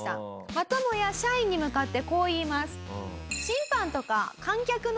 またもや社員に向かってこう言います。